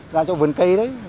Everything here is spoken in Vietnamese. ra chỗ vườn cây đấy